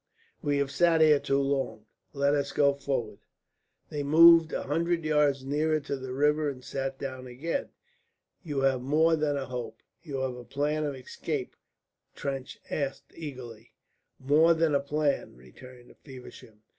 "We have sat here too long. Let us go forward." They moved a hundred yards nearer to the river and sat down again. "You have more than a hope. You have a plan of escape?" Trench asked eagerly. "More than a plan," returned Feversham.